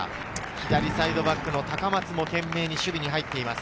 左サイドバックの高松も懸命に守備に入っています。